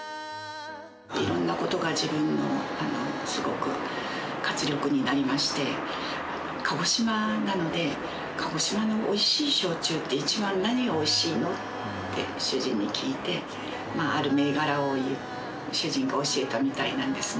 いろんなことが自分のすごく活力になりまして、鹿児島なので、鹿児島のおいしい焼酎って、一番何がおいしいの？って主人に聞いて、ある銘柄を主人が教えたみたいなんですね。